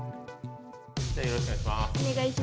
よろしくお願いします。